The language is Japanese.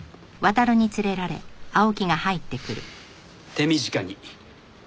手短に。